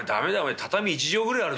畳１畳ぐらいあるぞおい。